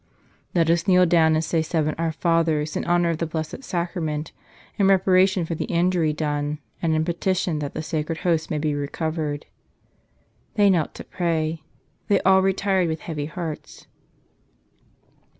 "Let us kneel down and say seven Our Fathers in honor of the Blessed Sacrament in reparation for the injury done and in petition that the sacred Host may be recovered." They knelt to pray. Then all retired with heavy hearts.